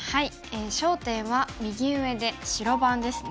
焦点は右上で白番ですね。